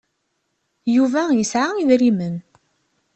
Yuba yesɛa idrimen.